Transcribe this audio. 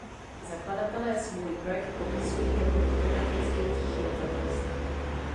Zakladatelé svůj projekt popisují jako fotografický tichý protest.